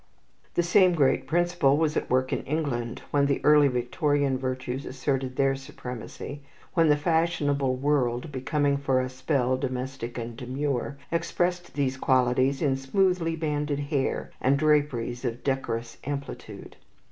The same great principle was at work in England when the Early Victorian virtues asserted their supremacy, when the fashionable world, becoming for a spell domestic and demure, expressed these qualities in smoothly banded hair, and draperies of decorous amplitude.